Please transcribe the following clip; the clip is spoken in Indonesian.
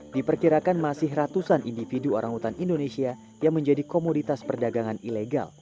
diperkirakan masih ratusan individu orang hutan indonesia yang menjadi komoditas perdagangan ilegal